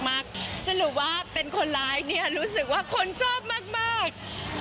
สำหรับว่าเป็นคนร้ายรู้สึกว่าคนชอบมาก